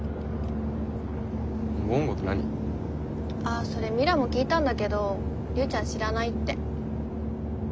あっそれミラも聞いたんだけど龍ちゃん知らないって。